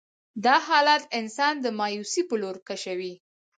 دا حالات انسان د مايوسي په لور کشوي.